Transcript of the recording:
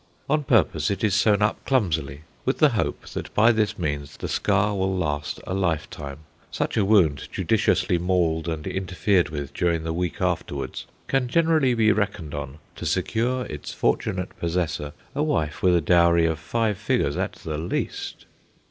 On purpose it is sewn up clumsily, with the hope that by this means the scar will last a lifetime. Such a wound, judiciously mauled and interfered with during the week afterwards, can generally be reckoned on to secure its fortunate possessor a wife with a dowry of five figures at the least.